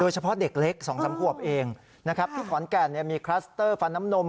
โดยเฉพาะเด็กเล็กสองสามควบเองนะครับที่ขวานแก่นเนี่ยมีคลัสเตอร์ฟันน้ำนม